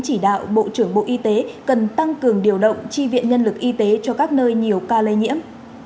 chỉ đạo bộ trưởng bộ y tế cần tăng cường điều động tri viện nhân lực y tế cho các nơi nhiều ca lây nhiễm